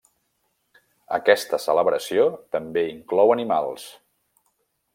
Aquesta celebració també inclou animals.